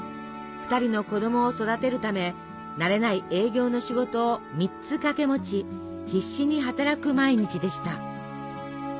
２人の子どもを育てるため慣れない営業の仕事を３つ掛け持ち必死に働く毎日でした。